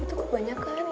itu kebanyakan ini